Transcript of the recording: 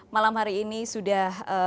malam hari ini sudah